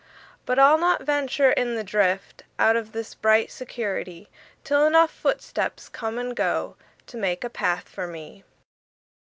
But I'll not venture in the driftOut of this bright security, Till enough footsteps come and goTo make a path for me.